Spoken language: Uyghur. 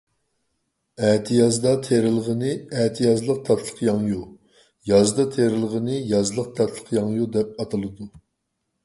ئەتىيازدا تېرىلغىنى ئەتىيازلىق تاتلىقياڭيۇ، يازدا تېرىلغىنى يازلىق تاتلىقياڭيۇ دەپ ئاتىلىدۇ.